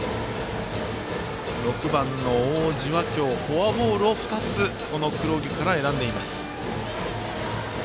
６番の大路は今日フォアボールを２つ黒木から選んでいます。